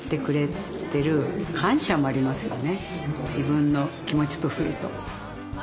自分の気持ちとすると。